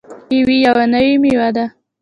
کیوي یوه نوې میوه ده.